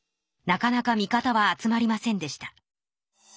なかなか味方は集まりませんでした。